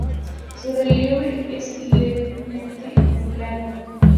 Su relieve es levemente ondulado.